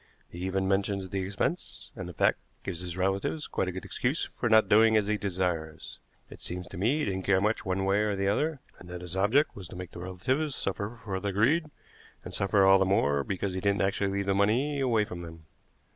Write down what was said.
He even mentions the expense, and, in fact, gives his relatives quite a good excuse for not doing as he desires. It seems to me he didn't care much one way or the other, and that his object was to make the relatives suffer for their greed, and suffer all the more because he didn't actually leave the money away from them.